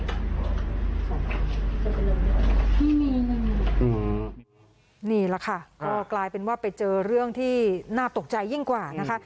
นี่แหละค่ะก็กลายเป็นว่าไปเจอเรื่องที่น่าตกใจยิ่งกว่านะคะ